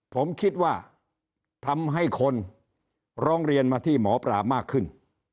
ผมคิดว่าทำให้คนร้องเรียนมาที่หมอปลามากขึ้น